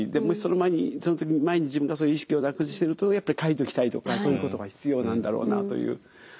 もしその前にその時前に自分がそういう意識をなくしてるとやっぱり書いておきたいとかそういうことが必要なんだろうなという。